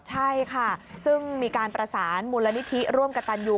ใช่ค่ะซึ่งมีการประสานมูลนิธิร่วมกับตันยู